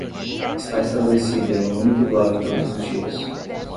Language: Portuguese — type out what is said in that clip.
Está estabelecido em um único blog todos os dias.